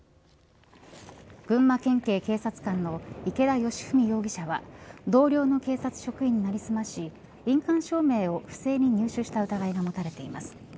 群馬県警、警察官の池田佳史容疑者は同僚の警察官職員に成り済まし印鑑証明を不正に入手した疑いが持たれています。